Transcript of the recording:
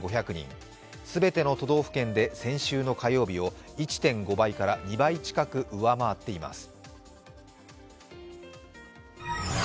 全ての都道府県で先週の火曜日を１．５倍から２倍近く上回っています。